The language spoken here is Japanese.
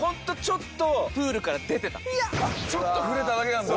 ちょっと触れただけなんだ。